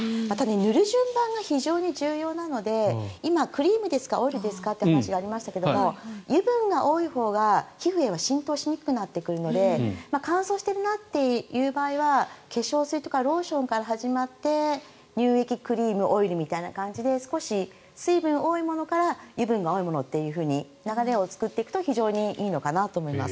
塗る順番が非常に重要なので今、クリームですかオイルですかって話がありましたが油分が多いほうが皮膚に浸透しにくくなってくるので乾燥しているという場合は化粧水とかローションから始まって乳液、クリーム、オイルみたいな感じで少し水分が多いものから油分が多いものという流れを作っていくといいのかなと思います。